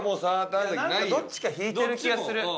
なんかどっちか引いてる気がする。